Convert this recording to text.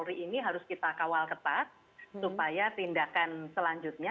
polri ini harus kita kawal ketat supaya tindakan selanjutnya